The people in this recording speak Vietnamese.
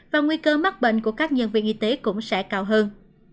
và nguy cơ mắc bệnh của các nhân viên y tế cũng sẽ cao hơn